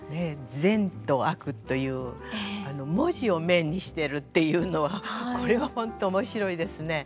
善と悪という文字を面にしてるっていうのはこれは本当面白いですね。